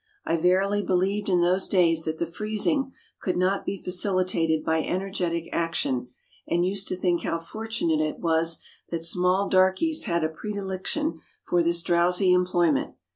I verily believed in those days that the freezing could not be facilitated by energetic action, and used to think how fortunate it was that small darkies had a predilection for this drowsy employment.